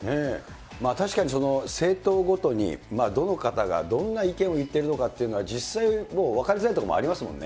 確かにその、政党ごとにどの方がどんな意見を言っているのかというのは、実際分かりづらいところもありますもんね。